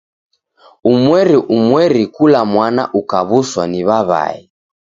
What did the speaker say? Umweri umweri kula mwana ukaw'uswa ni w'aw'ae.